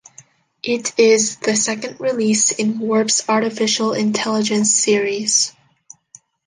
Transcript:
It is the second release in Warp's Artificial Intelligence series.